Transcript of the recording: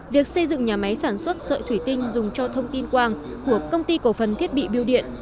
việc xây dựng nhà máy sản xuất sợi thủy tinh dùng cho thông tin quang của công ty cổ phần thiết bị bưu điện